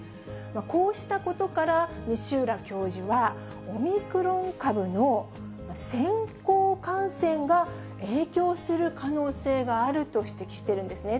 こうしたことから、西浦教授は、オミクロン株の先行感染が影響する可能性があると指摘してるんですね。